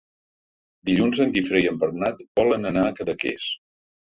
Dilluns en Guifré i en Bernat volen anar a Cadaqués.